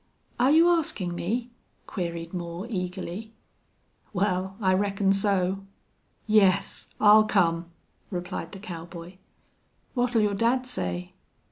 "Are you asking me?" queried Moore, eagerly. "Wal, I reckon so." "Yes, I'll come," replied the cowboy. "What'll your dad say?"